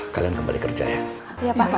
kalian kembali kerja ya